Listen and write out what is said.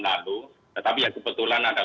lalu tetapi yang kebetulan ada